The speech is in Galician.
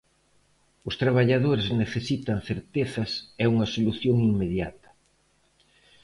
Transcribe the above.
Os traballadores necesitan certezas e unha solución inmediata.